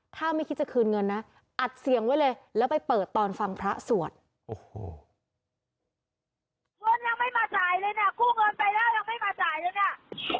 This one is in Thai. ถ้าไม่คิดจะคืนเงินนะอัดเสียงไว้เลยแล้วไปเปิดตอนฟังพระสวดโอ้โห